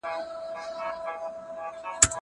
زه بايد کالي وپرېولم.